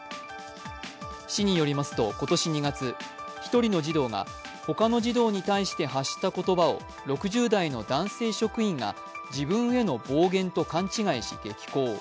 市によりますと、今年２月１人の児童が他の児童に対して発した言葉を６０代の男性職員が自分への暴言と勘違いし激高。